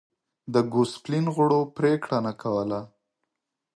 د ګوسپلین غړو پرېکړه نه کوله.